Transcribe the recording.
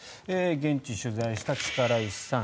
現地取材した力石さん。